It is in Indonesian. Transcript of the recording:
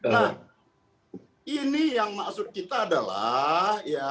nah ini yang maksud kita adalah ya